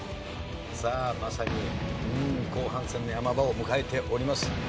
さあまさに後半戦の山場を迎えております。